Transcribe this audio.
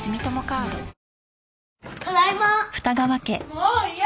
もう嫌！